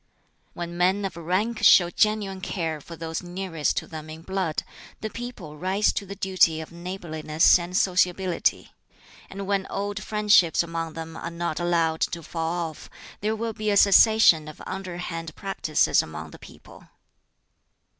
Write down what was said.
"When men of rank show genuine care for those nearest to them in blood, the people rise to the duty of neighborliness and sociability. And when old friendships among them are not allowed to fall off, there will be a cessation of underhand practices among the people."